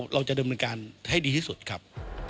เราจะดำเนินการให้ดีที่สุดครับ